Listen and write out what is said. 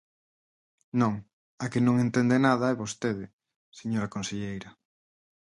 Non, a que non entende nada é vostede, señora conselleira.